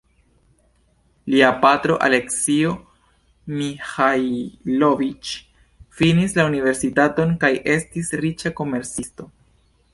Lia patro "Aleksio Miĥajloviĉ" finis la universitaton kaj estis riĉa komercisto.